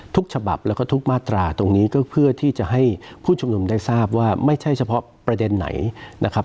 ฉบับแล้วก็ทุกมาตราตรงนี้ก็เพื่อที่จะให้ผู้ชุมนุมได้ทราบว่าไม่ใช่เฉพาะประเด็นไหนนะครับ